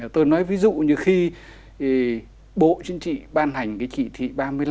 tôi nói ví dụ như khi bộ chính trị ban hành cái chỉ thị ba mươi năm